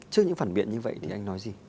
trước những phản biện như vậy thì anh nói gì